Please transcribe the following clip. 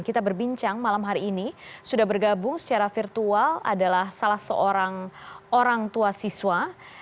kita berbincang malam hari ini sudah bergabung secara virtual adalah salah seorang orang tua siswa